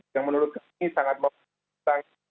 yang menurut kami sangat membutuhkan